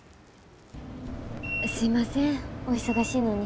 すいませんお忙しいのに。